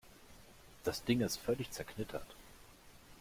Das Ding ist völlig zerknittert.